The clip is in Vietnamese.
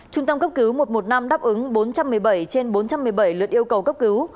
trung tâm cấp cứu một trăm một mươi năm đáp ứng bốn trăm một mươi bảy trên bốn trăm một mươi bảy lượt yêu cầu cấp cứu